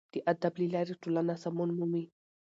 د ادب له لارې ټولنه سمون مومي.